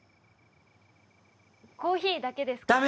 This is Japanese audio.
コーヒーだけですから。